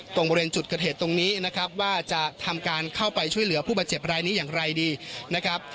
ตรงบริเวณจุดเกิดเหตุตรงนี้นะครับว่าจะทำการเข้าไปช่วยเหลือผู้บาดเจ็บรายนี้อย่างไรดีนะครับ